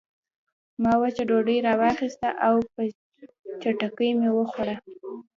ما وچه ډوډۍ راواخیسته او په چټکۍ مې وخوړه